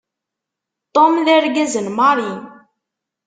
Tom d argaz n Mary.